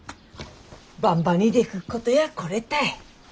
ばんばにでくっことやこれたい。